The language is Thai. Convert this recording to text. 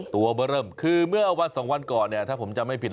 ตัวเบอร์เริ่มคือเมื่อวันสองวันก่อนเนี่ยถ้าผมจำไม่ผิด